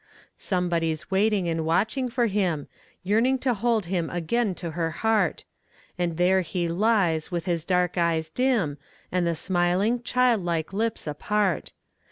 Somebody's waiting and watching for him, Yearning to hold him again to her heart; And there he lies with his dark eyes dim, And the smiling, childlike lips apart.